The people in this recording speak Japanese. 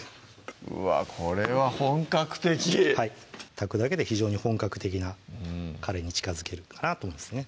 うわこれは本格的はい炊くだけで非常に本格的なカレーに近づけるかなと思いますね